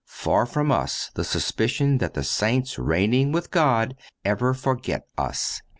Far from us the suspicion that the saints reigning with God ever forget us.